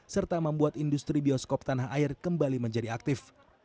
serta membuat industri bioskop tanah air kembali menjadi aktif